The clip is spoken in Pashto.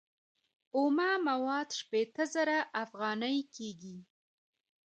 اومه مواد شپیته زره افغانۍ کېږي